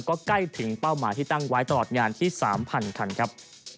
ก็ใกล้ถึงเป้าหมายที่ตั้งไว้ตลอดงานที่๓๐๐คันครับ